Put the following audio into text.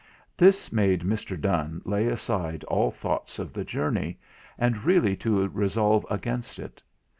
This made Mr. Donne lay aside all thoughts of the journey, and really to resolve against it.